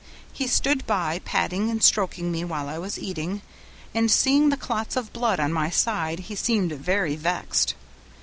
He stood by, patting and stroking me while I was eating, and seeing the clots of blood on my side he seemed very vexed.